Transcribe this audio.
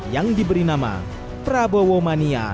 yang diberi nama prabowo mania